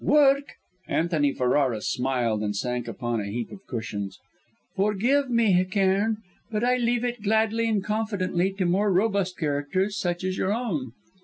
"Work!" Antony Ferrara smiled and sank upon a heap of cushions. "Forgive me, Cairn, but I leave it, gladly and confidently, to more robust characters such as your own."